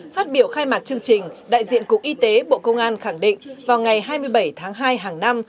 phát biểu khai mạc chương trình đại diện cục y tế bộ công an khẳng định vào ngày hai mươi bảy tháng hai hàng năm